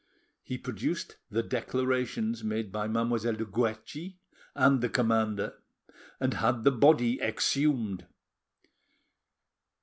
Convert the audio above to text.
He produced the declarations made by Mademoiselle de Guerchi and the commander, and had the body exhumed.